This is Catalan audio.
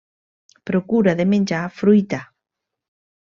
Procura de menjar fruita.